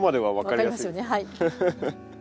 はい。